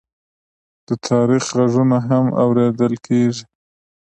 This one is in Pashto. د تاریخ غږونه هم اورېدل کېږي.